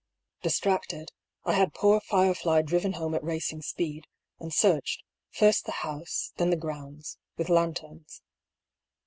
Distracted, I had poor Firefly driven home at racing speed, and searched, first the honse, then the grounds, with lanterns.